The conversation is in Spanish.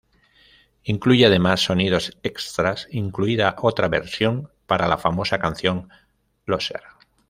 Incluye además sonidos extras, incluida otra versión para la famosa canción "Loser".